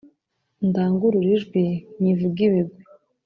ndangurure ijwi nyivuge ibigwi